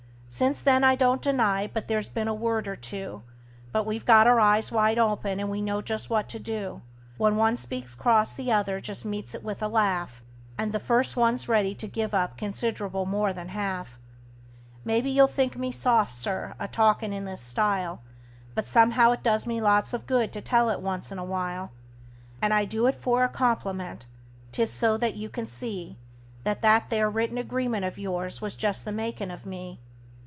Since then I don't deny but there's been a word or two; But we've got our eyes wide open, and know just what to do: When one speaks cross the other just meets it with a laugh, And the first one's ready to give up considerable more than half. Maybe you'll think me soft, Sir, a talkin' in this style, But somehow it does me lots of good to tell it once in a while; And I do it for a compliment 'tis so that you can see That that there written agreement of yours was just the makin' of me.